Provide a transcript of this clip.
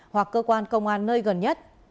hoặc cơ quan công an nơi gần nhất